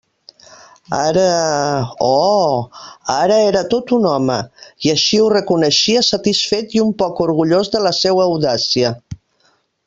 Ara..., oh!, ara era tot un home, i així ho reconeixia satisfet i un poc orgullós de la seua audàcia.